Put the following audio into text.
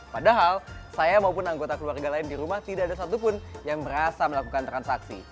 padahal saya maupun anggota keluarga lain di rumah tidak ada satupun yang merasa melakukan transaksi